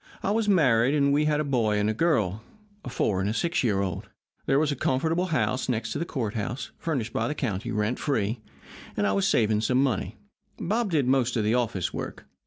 I was married, and we had a boy and a girl a four and a six year old. There was a comfortable house next to the courthouse, furnished by the county, rent free, and I was saving some money. Bob did most of the office work.